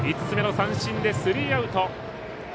５つ目の三振でスリーアウト。